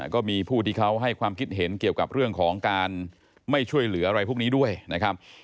ก็มีผู้ที่เขาให้ความคิดเห็นเกี่ยวกับเรื่องของการไม่ช่วยเหลืออะไรพวกนี้ด้วยนะครับ